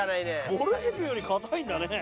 ぼる塾より硬いんだね。